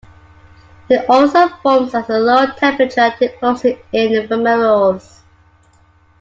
It also forms as a low temperature deposit in fumaroles.